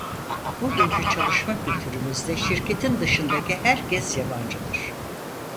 Bugünkü çalışma kültürümüzde şirketin dışındaki herkes yabancıdır.